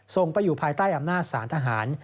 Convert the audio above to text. ส่งไปอยู่ภายใต้อำนาจสารทหาร